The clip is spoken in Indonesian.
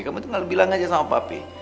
kamu itu tinggal bilang aja sama papi